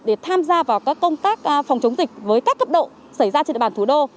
để tham gia vào các công tác phòng chống dịch với các cấp độ xảy ra trên địa bàn thủ đô